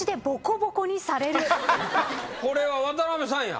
これは渡辺さんや。